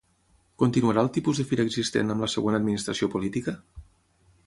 Continuarà el tipus de Fira existent amb la següent administració política?